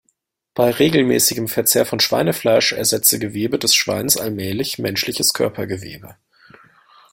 Bei regelmäßigem Verzehr von Schweinefleisch ersetze Gewebe des Schweins allmählich menschliches Körpergewebe.